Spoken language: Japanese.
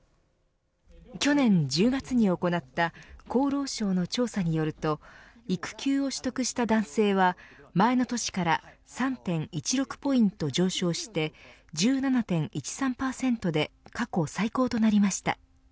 去年１０月に行った厚労省の調査によると育休を取得した男性は前の年から３．１６ポイント上昇して１７．１３％で過去最高となりました。